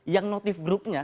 yang notif grupnya